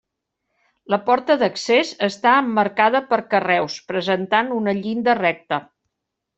La porta d'accés està emmarcada per carreus, presentant una llinda recta.